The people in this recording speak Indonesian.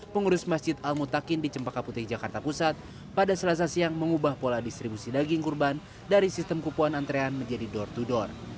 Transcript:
pengurus masjid al mutakin di cempaka putih jakarta pusat pada selasa siang mengubah pola distribusi daging kurban dari sistem kupuan antrean menjadi door to door